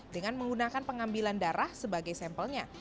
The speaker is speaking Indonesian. dengan menggunakan pengambilan darah sebagai sampelnya